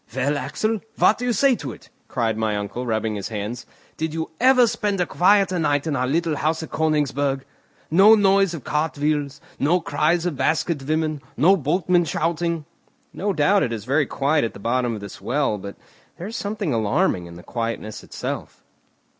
"Well, Axel, what do you say to it?" cried my uncle, rubbing his hands. "Did you ever spend a quieter night in our little house at Königsberg? No noise of cart wheels, no cries of basket women, no boatmen shouting!" "No doubt it is very quiet at the bottom of this well, but there is something alarming in the quietness itself."